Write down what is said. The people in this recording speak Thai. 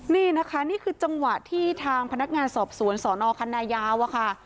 นี่นะคะนี่คือจังหวะที่ทางพนักงานสอบสวนสอนอคันนายาวอะค่ะ